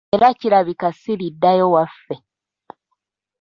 Era kirabika siriddayo waffe.